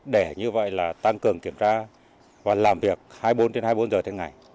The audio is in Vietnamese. để như vậy là tăng cường kiểm tra và làm việc hai mươi bốn h hai mươi bốn h tháng ngày